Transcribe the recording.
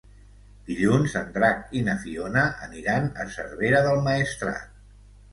Dilluns en Drac i na Fiona aniran a Cervera del Maestrat.